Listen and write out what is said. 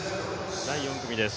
第４組です